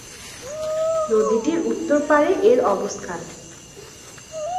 নদীটির উত্তর পাড়ে এর অবস্থান।